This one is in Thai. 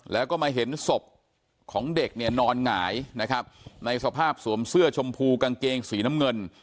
แล้วก็มาเห็นศพของเด็กเนี่ยนอนหงายนะครับในสภาพสวมเสื้อชมพูกางเกงสีน้ำเงิน